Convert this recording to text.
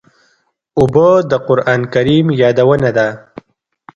اوبه د قرآن کریم یادونه ده.